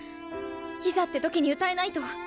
いざって時に歌えないと。